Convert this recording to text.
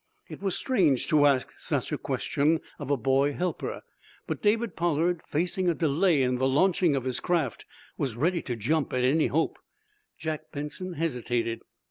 It was strange to ask such a question of a boy helper, but David Pollard, facing a delay in the launching of his craft, was ready to jump at any hope. Jack Benson hesitated.